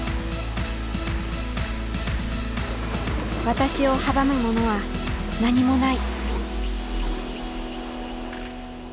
私を阻むものは何もない。